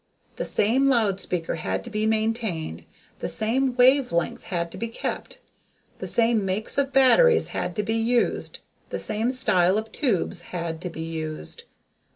The same loud speaker had to be maintained, the same wave length had to be kept, the same makes of batteries had to be used, the same style of tubes had to be used.